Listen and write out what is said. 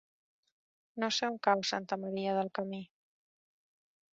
No sé on cau Santa Maria del Camí.